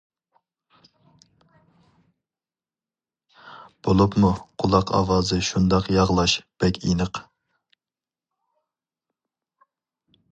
بولۇپمۇ قۇلاق ئاۋازى شۇنداق ياغلاش بەك ئېنىق.